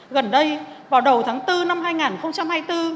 gần đây vào đầu tháng bốn năm hai nghìn hai mươi bốn